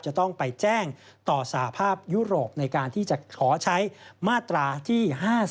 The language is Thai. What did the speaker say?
จะต้องไปแจ้งต่อสหภาพยุโรปในการที่จะขอใช้มาตราที่๕๓